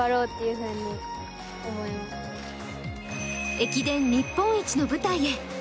駅伝日本一の舞台へ。